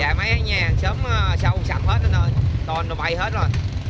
dạ máy nhà hàng xóm sâu sạch hết anh ơi tôn bay hết rồi